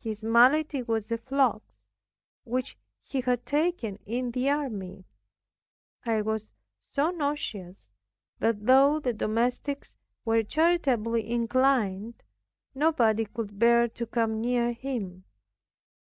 His malady was a flux, which he had taken in the army. It was so nauseous, that though the domestics were charitably inclined, nobody could bear to come near him.